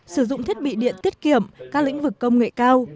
sử dụng thiết bị điện tiết kiệm các lĩnh vực công nghệ cao